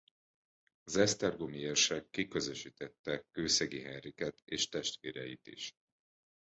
Az esztergomi érsek kiközösítette Kőszegi Henriket és testvéreit is.